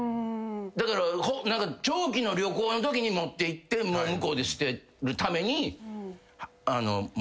だから長期の旅行のときに持っていって向こうで捨てるために持っていくぐらいで。